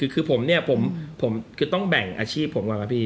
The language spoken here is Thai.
คือผมเนี่ยผมคือต้องแบ่งอาชีพผมก่อนครับพี่